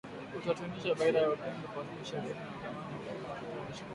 kutatanisha baada ya Odinga kuwasilisha kesi mahakamani ya kupinga matokeo ya uchaguzi